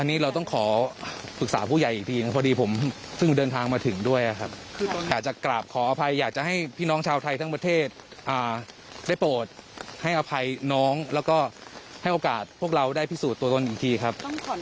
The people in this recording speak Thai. อันนี้เราต้องขอปรึกษาผู้ใหญ่อีกทีพอดีผมเพิ่งเดินทางมาถึงด้วยครับอยากจะกราบขออภัยอยากจะให้พี่น้องชาวไทยทั้งประเทศได้โปรดให้อภัยน้องแล้วก็ให้โอกาสพวกเราได้พิสูจน์ตัวตนอีกทีครับ